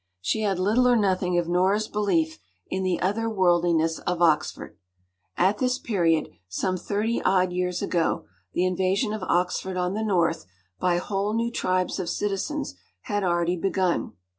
She had little or nothing of Nora’s belief in the other worldliness of Oxford. At this period, some thirty odd years ago, the invasion of Oxford on the north by whole new tribes of citizens had already begun.